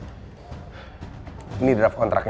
ini draft kontraknya ya